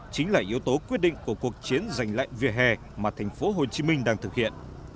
chính là yếu tố quyết định của cuộc chiến giành lạnh vỉa hè mà thành phố hồ chí minh đang thực hiện